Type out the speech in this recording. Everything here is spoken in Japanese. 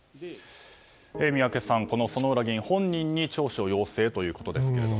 宮家さん、薗浦議員本人に聴取を要請ということですけども。